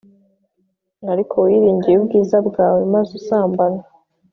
Ariko wiringiye ubwiza bwawe maze usambana